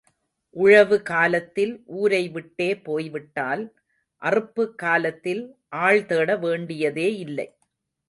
உழவு காலத்தில் ஊரை விட்டே போய்விட்டால், அறுப்புக் காலத்தில் ஆள் தேட வேண்டியதே இல்லை.